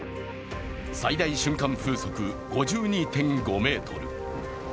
最大瞬間風速５２．５メートル。